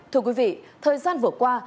thưa quý vị thời gian vừa qua